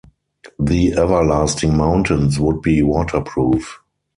The everlasting mountains would be waterproof.